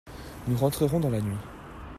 Nous rentrerons dans la nuit.